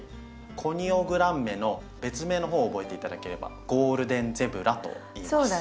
コニオグランメの別名の方を覚えて頂ければゴールデンゼブラといいます。